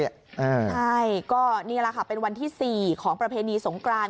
ใช่ก็นี่แหละค่ะเป็นวันที่๔ของประเพณีสงกราน